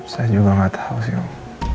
saya juga gak tahu siung